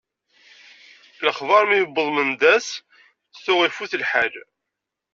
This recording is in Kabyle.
Lexbar mi yewweḍ Mendas tuɣ ifut lḥal.